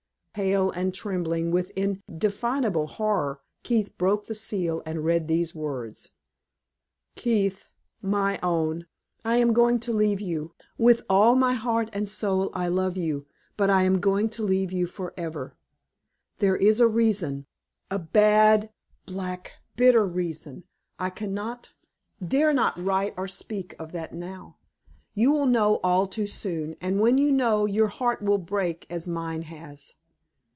Pale and trembling with indefinable horror, Keith broke the seal and read these words: "KEITH, My own, I am going to leave you. With all my heart and soul I love you, but I am going to leave you forever. There is a reason a bad, black, bitter reason. I can not dare not write or speak of that now. You will know all too soon, and when you know, your heart will break, as mine has.